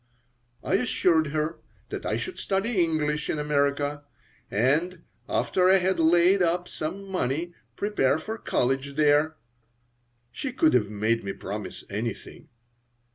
I assured her that I should study English in America and, after I had laid up some money, prepare for college there (she could have made me promise anything).